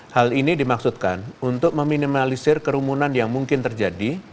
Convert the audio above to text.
hal ini dimaksudkan untuk meminimalisir kerumunan yang mungkin terjadi